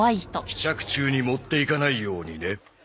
試着中に持っていかないようにね。